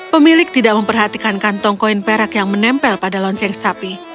pemilik tidak memperhatikan kantong koin perak yang menempel pada lonceng sapi